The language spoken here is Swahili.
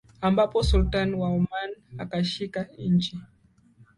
ambapo Sultan wa Oman akashika nchi